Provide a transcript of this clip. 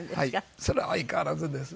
それは相変わらずですね。